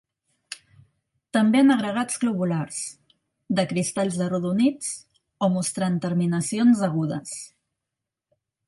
També en agregats globulars, de cristalls arrodonits o mostrant terminacions agudes.